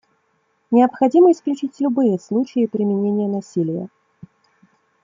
Необходимо исключить любые случаи применения насилия.